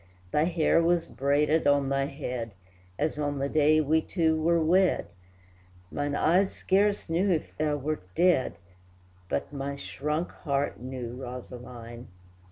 Thy hair was braided on thy head, As on the day we two were wed, Mine eyes scarce knew if thou wert dead, But my shrunk heart knew, Rosaline!